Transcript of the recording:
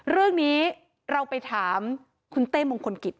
เรื่องนี้เราไปถามคุณเต้มงคลกิจ